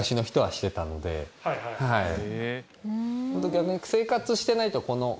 逆に。